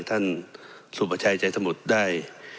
ท่านสุบัชัยใจสมุทธได้